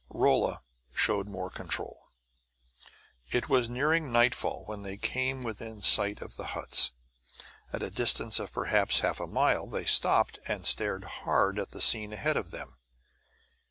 Rolla showed more control. It was nearing nightfall when they came within sight of the huts. At a distance of perhaps half a mile they stopped and stared hard at the scene ahead of them.